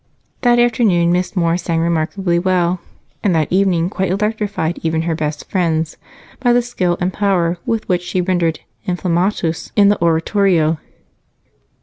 That afternoon Miss Moore sang remarkably well, and that evening quite electrified even her best friends by the skill and power with which she rendered "Inflammatus" in the oratorio.